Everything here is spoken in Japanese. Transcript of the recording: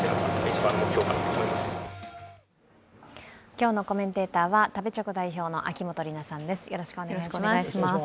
今日のコメンテーターは食べチョク代表の秋元里奈さんです。